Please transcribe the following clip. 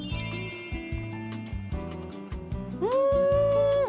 うん！